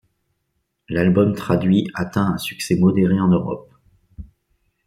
L'album traduit atteint un succès modéré en Europe.